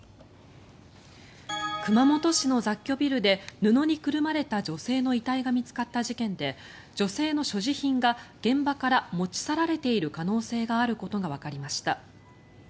熊本市の雑居ビルで布にくるまれた女性の遺体が見つかった事件で女性の所持品が現場から持ち去られている可能性があることがわかりました。